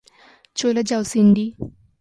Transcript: চলে যাও, সিন্ডি!